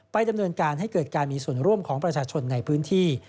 ดำเนินการให้เกิดการมีส่วนร่วมของประชาชนในพื้นที่